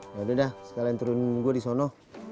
yaudah sekalian turunin gue di sana